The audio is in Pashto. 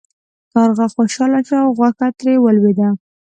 کارغه خوشحاله شو او غوښه ترې ولویده.